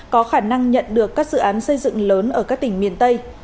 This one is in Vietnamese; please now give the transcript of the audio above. có khả năng nhận được các dự án xây dựng lớn ở các tỉnh miền tây